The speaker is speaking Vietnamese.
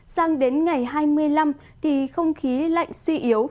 sang đến ngày hai mươi năm thì không khí lạnh suy yếu